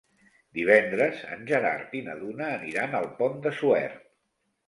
Divendres en Gerard i na Duna aniran al Pont de Suert.